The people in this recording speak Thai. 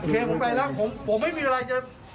ทำควรประโยชน์กับพวกแสดงใจได้ไง